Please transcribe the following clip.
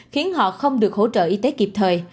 khiến họ không được hỗ trợ y tế kịp thời